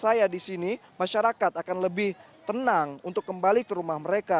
saya di sini masyarakat akan lebih tenang untuk kembali ke rumah mereka